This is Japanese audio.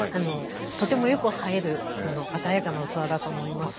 とてもよく映える鮮やかな器だと思います。